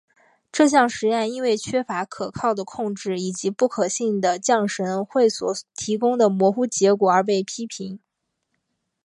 这项实验因为缺乏可靠的控制以及不可信的降神会所提供的模糊结果而被批评。